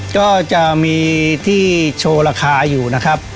ก็จะมีที่โชว์ราคาอยู่นะครับ